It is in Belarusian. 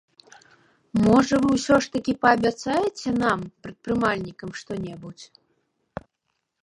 Можа вы ўсё ж такі паабяцаеце нам, прадпрымальнікам, што-небудзь?